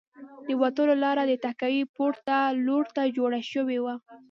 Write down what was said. د وتلو لاره د تهکوي پورته لور ته جوړه شوې وه